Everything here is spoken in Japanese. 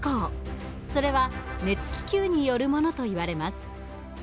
それは熱気球によるものといわれます。